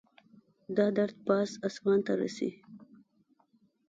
دا درد پاس اسمان ته رسي